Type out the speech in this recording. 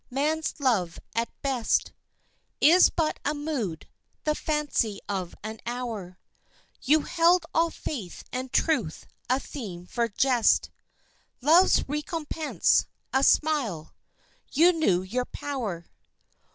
Man's love at best Is but a mood the fancy of an hour, You held all faith and truth a theme for jest, Love's recompense, a smile. You knew your power.